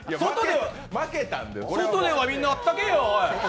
外ではみんなあったけえよ！